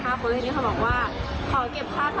เข้ามาเก็บเงินภาพรถเขาบอกว่าขอเก็บ๒๙๓บาทเลยมากัน